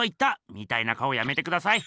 みたいな顔やめてください。